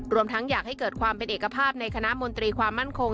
ทั้งอยากให้เกิดความเป็นเอกภาพในคณะมนตรีความมั่นคง